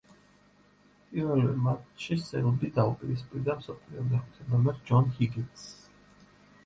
პირველივე მატჩში სელბი დაუპირისპირდა მსოფლიო მეხუთე ნომერ ჯონ ჰიგინსს.